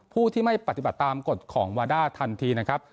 ผู้ที่ไม่ปฏิบัติตามกฎของวาด้าทันทีนะครับ